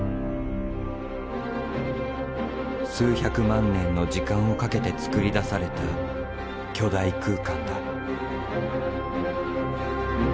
数百万年の時間をかけてつくり出された巨大空間だ。